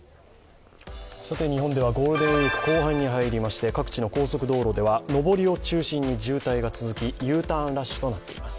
日本ではゴールデンウイーク後半に入りまして各地の高速道路では上りを中心に渋滞が続きＵターンラッシュとなっています。